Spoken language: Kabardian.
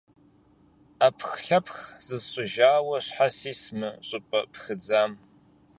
Ӏэпхлъэпх зысщӀыжауэ щхьэ сис мы щӀыпӀэ пхыдзам?